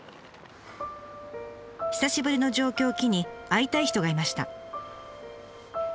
久しぶりの上京を機に会いたい人がいました。